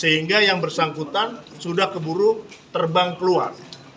sehingga yang bersangkutan sudah keburu terbang keluar